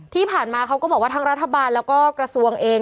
ที่ผ่านมาเขาก็บอกว่าทั้งรัฐบาลแล้วก็กระทรวงเอง